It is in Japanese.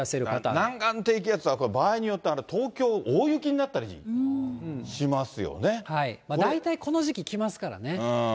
南岸低気圧は、これ、場合によっては東京、大雪になったりし大体この時期、来ますからね。